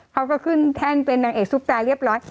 เขาก็ขึ้นแท่นเป็นนางเอกซุปตาเรียบร้อย